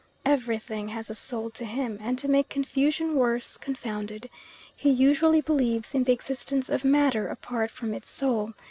Everything has a soul to him, and to make confusion worse confounded, he usually believes in the existence of matter apart from its soul.